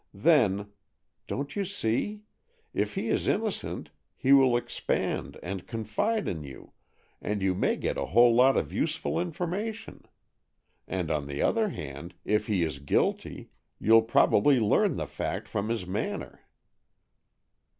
Then—don't you see?—if he is innocent, he will expand and confide in you, and you may get a whole lot of useful information. And on the other hand, if he is guilty, you'll probably learn the fact from his manner."